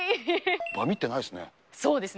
バミってないですね。